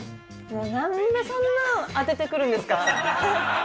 もうなんでそんな当ててくるんですか？